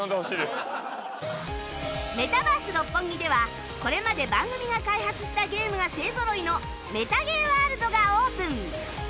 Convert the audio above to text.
メタバース六本木ではこれまで番組が開発したゲームが勢ぞろいのメタゲーワールドがオープン！